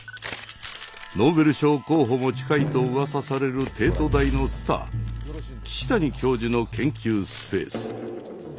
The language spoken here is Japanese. ノーベル賞候補も近いとうわさされる帝都大のスター岸谷教授の研究スペース